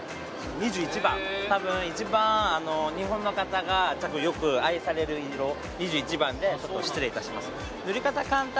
２１番多分一番日本の方がよく愛される色２１番でちょっと失礼いたします